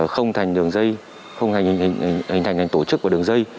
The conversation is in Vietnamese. không thành đường dây không hình thành thành tổ chức của đường dây